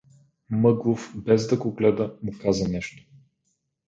Мъглов, без да го гледа, му каза нещо.